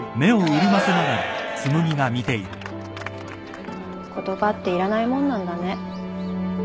言葉っていらないもんなんだね。